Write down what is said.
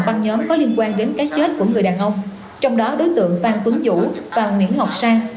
băng nhóm có liên quan đến cái chết của người đàn ông trong đó đối tượng phan tuấn vũ và nguyễn ngọc sang